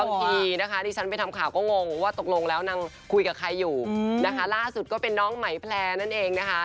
บางทีนะคะที่ฉันไปทำข่าวก็งงว่าตกลงแล้วนางคุยกับใครอยู่นะคะล่าสุดก็เป็นน้องไหมแพลร์นั่นเองนะคะ